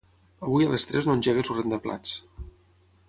Avui a les tres no engeguis el rentaplats.